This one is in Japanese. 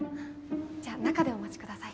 じゃあ中でお待ちください。